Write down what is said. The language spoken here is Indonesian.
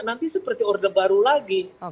nanti seperti orde baru lagi